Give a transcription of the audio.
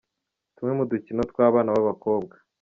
Tumwe mu dukino tw’abana b’abakobwa